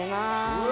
うわ！